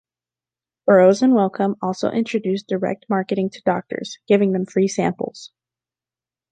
Burroughs and Wellcome also introduced direct marketing to doctors, giving them free samples.